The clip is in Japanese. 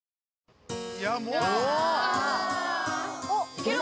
いける？